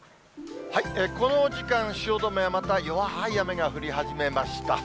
この時間、汐留、また弱い雨が降り始めました。